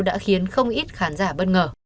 đã khiến không ít khán giả bất ngờ